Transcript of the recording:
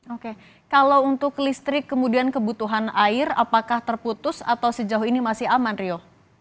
oke kalau untuk listrik kemudian kebutuhan air apakah terputus atau sejauh ini masih aman rio